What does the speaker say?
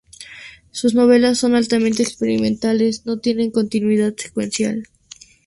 Sus novelas son altamente experimentales: no tiene continuidad secuencial.